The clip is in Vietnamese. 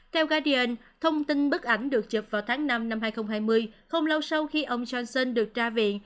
theo gadian thông tin bức ảnh được chụp vào tháng năm năm hai nghìn hai mươi không lâu sau khi ông johnson được ra viện